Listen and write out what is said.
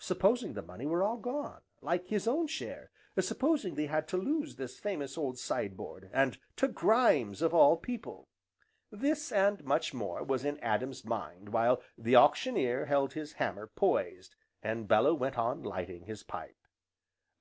Supposing the money were all gone, like his own share, supposing they had to lose this famous old side board, and to Grimes of all people! This, and much more, was in Adam's mind while the Auctioneer held his hammer poised, and Bellew went on lighting his pipe.